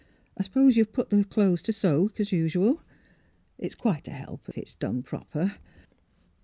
I s'pose you put the clo'es t' soak, same as usu'l? It's quite a help, if it's done proper."